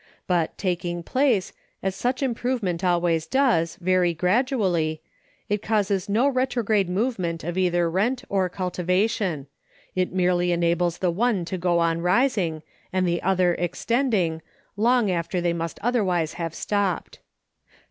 But taking place, as such improvement always does, very gradually, it causes no retrograde movement of either rent or cultivation; it merely enables the one to go on rising, and the other extending, long after they must otherwise have stopped.